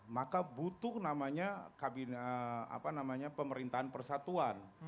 maka butuh namanya kabin apa namanya pemerintahan persatuan